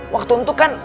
waktu itu kan